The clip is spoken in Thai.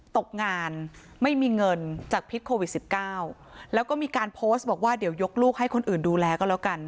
ตกงานไม่มีเงินจากพิษโควิดสิบเก้าแล้วก็มีการโพสต์บอกว่าเดี๋ยวยกลูกให้คนอื่นดูแลก็แล้วกัน